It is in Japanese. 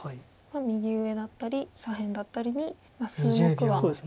右上だったり左辺だったりに数目はありますか。